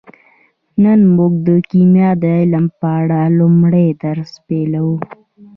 نن موږ د کیمیا د علم په اړه لومړنی درس پیلوو